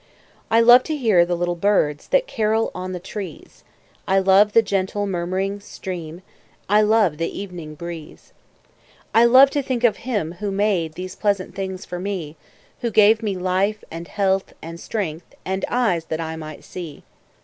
I love to hear the little birds That carol on the trees; I love the gentle murmuring stream, I love the evening breeze. I love to think of Him who made These pleasant things for me; Who gave me life, and health, and strength, And eyes, that I might see.